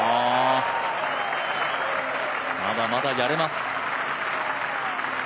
まだまだやれます。